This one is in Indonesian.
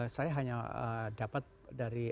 saya hanya dapat dari